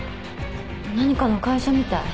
何かの会社みたい。